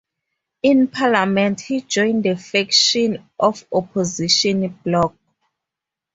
In parliament he joined the faction of Opposition Bloc.